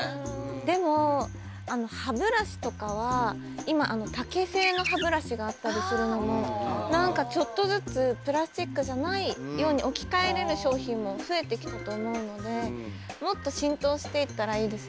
でも歯ブラシとかは今竹製の歯ブラシがあったりするのも何かちょっとずつプラスチックじゃないように置き換えれる商品も増えてきたと思うのでもっと浸透していったらいいですよね